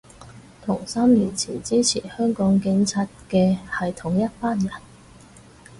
同三年前支持香港警察嘅係同一班人